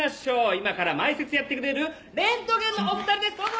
今から前説やってくれるレントゲンのお２人ですどうぞ！